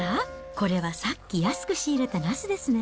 これはさっき安く仕入れたナスですね。